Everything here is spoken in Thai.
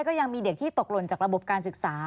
ก็ยังมีเด็กที่ตกหล่นจากระบบการศึกษา